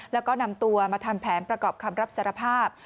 แล้วก็นำตัวมาทำแผนประกอบคำรับสารภาพ